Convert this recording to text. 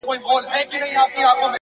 علم د راتلونکي جوړولو وسیله ده.!